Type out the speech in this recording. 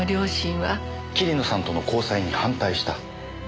桐野さんとの交際に反対した。